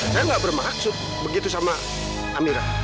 saya gak bermaksud begitu sama amirah